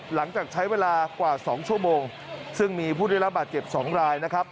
หลังจากใช้เวลากว่า๒ชั่วโมงซึ่งมีผู้ได้รับบาดเจ็บ๒รายนะครับ